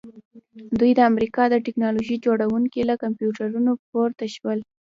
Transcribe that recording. دوی د امریکا د ټیکنالوژۍ جوړونکي له کمپیوټرونو پورته شول